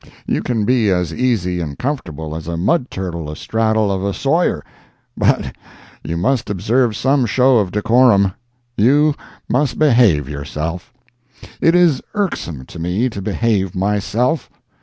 You can be as easy and comfortable as a mud turtle astraddle of a sawyer, but you must observe some show of decorum—you must behave yourself. It is irksome to me to behave myself.